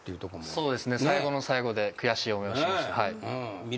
そうですね最後の最後で悔しい思いをしました。